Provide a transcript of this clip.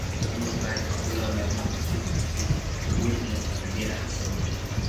موږ باید د خپلو اولادونو د فکري ودې لپاره ډېره هڅه وکړو.